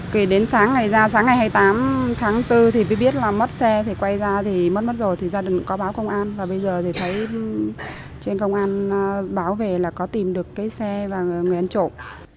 thì đến sáng này ra sáng ngày hai mươi tám tháng bốn thì mới biết là mất xe thì quay ra thì mất mắt rồi thì gia đình có báo công an và bây giờ thì thấy trên công an báo về là có tìm được cái xe và người ăn trộm